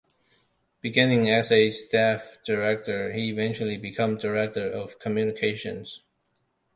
Beginning as a staff director, he eventually became Director of Communications.